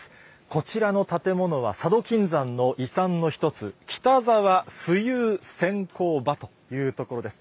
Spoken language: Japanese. こちらの建物は、佐渡金山の遺産の１つ、北沢浮遊選鉱場という所です。